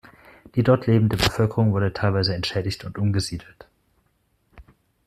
Die dort lebende Bevölkerung wurde teilweise entschädigt und umgesiedelt.